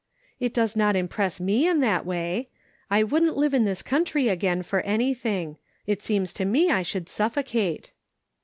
" It does not impress me in that way. I wouldn't live in this country again for any thing. It seems to me I should suffocate.